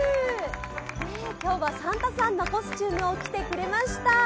今日はサンタさんのコスチュームを着てくれました。